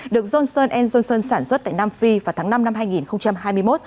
được johnson johnson sản xuất tại nam phi vào tháng năm năm hai nghìn hai mươi một